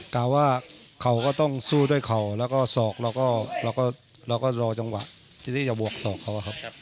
กล่าวว่าเขาก็ต้องสู้ด้วยเข่าแล้วก็ศอกเราก็รอจังหวะที่นี่จะบวกศอกเขาอะครับ